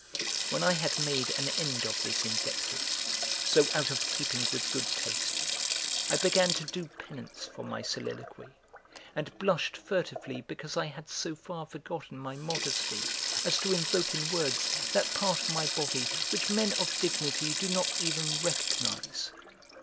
When I had made an end of this invective, so out of keeping with good taste, I began to do penance for my soliloquy and blushed furtively because I had so far forgotten my modesty as to invoke in words that part of my body which men of dignity do not even recognize.